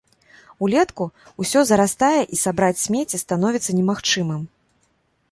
Улетку ўсё зарастае і сабраць смецце становіцца немагчымым.